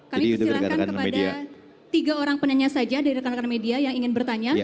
kami persilahkan kepada tiga orang penanya saja dari rekan rekan media yang ingin bertanya